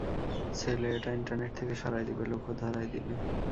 ছেলে এটা ইন্টারনেট থেকে সরায় দিবে, লোকও ধরায় দিবে।